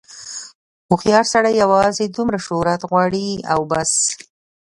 هوښیار سړی یوازې دومره شهرت غواړي او بس.